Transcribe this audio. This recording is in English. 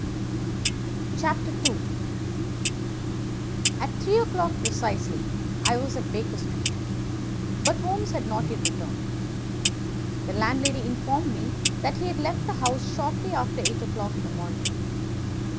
II At three o'clock precisely I was at Baker Street, but Holmes had not yet returned. The landlady informed me that he had left the house shortly after eight o'clock in the morning.